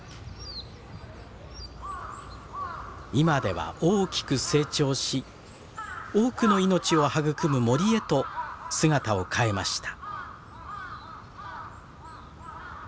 今では大きく成長し多くの命を育む森へと姿を変えました。